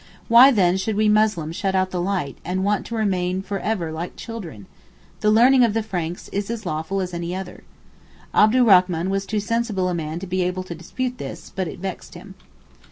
Why then should we Muslims shut out the light, and want to remain ever like children? The learning of the Franks is as lawful as any other.' Abdurrachman was too sensible a man to be able to dispute this, but it vexed him.